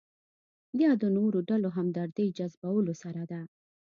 یا د نورو ډلو همدردۍ جذبولو سره ده.